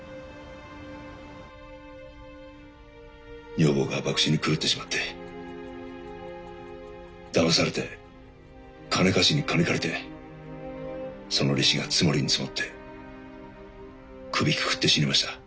女房が博打に狂ってしまってだまされて金貸しに金借りてその利子が積もりに積もって首くくって死にました。